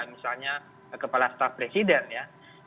misalnya kepala staf presiden ya